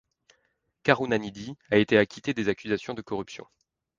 Karunanidhi a été acquitté des accusations de corruption.